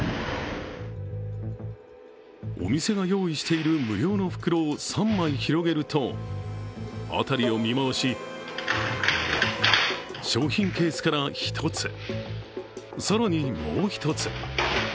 お店が用意している無料の袋を３枚広げると、辺りを見回し、商品ケースから１つ、更にもう１つ。